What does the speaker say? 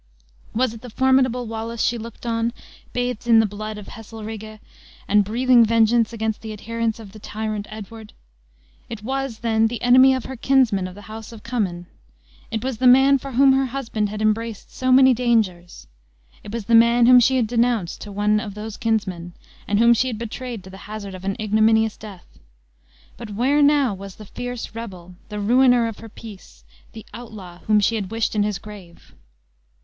Was it the formidable Wallace she looked on, bathed in the blood of Heselrigge, and breathing vengeance against the adherents of the tyrant Edward! It was, then, the enemy of her kinsmen of the house of Cummin! It was the man for whom her husband had embraced so many dangers! It was the man whom she had denounced to one of those kinsmen, and whom she had betrayed to the hazard of an ignominious death! But where now was the fierce rebel the ruiner of her peace the outlaw whom she had wished in his grave?